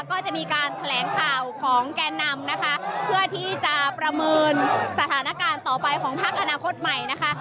ก็จะมีการแถลงข่าวของแกนนำนะคะเพื่อที่จะประเมินสถานการณ์ต่อไปของพักอนาคตใหม่นะคะ